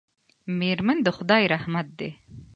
میرمن د خدای رحمت دی.